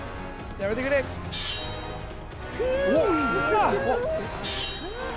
やめてくれおっ！